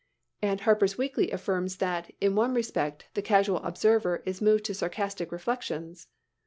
And Harper's Weekly affirms that "in one respect the casual observer is moved to sarcastic reflections.